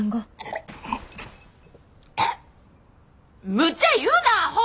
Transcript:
むちゃ言うなアホ！